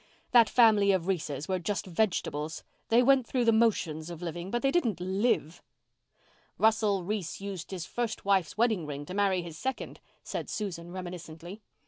That family of Reeses were just vegetables. They went through the motions of living, but they didn't live." "Russell Reese used his first wife's wedding ring to marry his second," said Susan reminiscently.